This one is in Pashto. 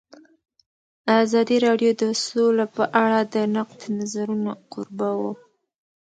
ازادي راډیو د سوله په اړه د نقدي نظرونو کوربه وه.